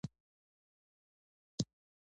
• باران د سپوږمۍ تر څنګ ښکلی ښکاري.